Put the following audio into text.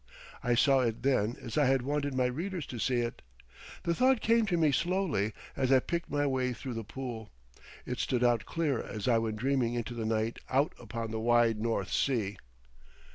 I saw it then as I had wanted my readers to see it. The thought came to me slowly as I picked my way through the Pool; it stood out clear as I went dreaming into the night out upon the wide North Sea.